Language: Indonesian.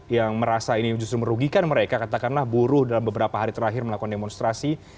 yang merasa ini justru merugikan mereka katakanlah buruh dalam beberapa hari terakhir melakukan demonstrasi